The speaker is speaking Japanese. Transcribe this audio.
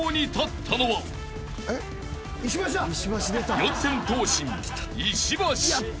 ［四千頭身石橋］